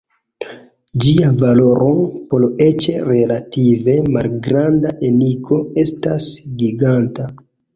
Ĝia valoro por eĉ relative malgranda enigo estas "giganta".